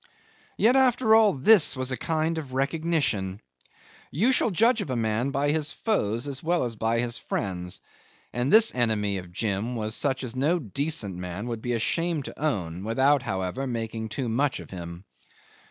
'Yet after all this was a kind of recognition. You shall judge of a man by his foes as well as by his friends, and this enemy of Jim was such as no decent man would be ashamed to own, without, however, making too much of him.